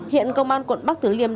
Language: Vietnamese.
hiện công an quận bắc tứ liêm